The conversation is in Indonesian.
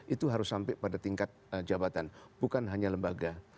itu harus sampai pada tingkat jabatan bukan hanya lembaga